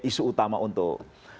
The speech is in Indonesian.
isu utama untuk